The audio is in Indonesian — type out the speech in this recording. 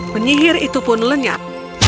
penyihir itu pun lenyap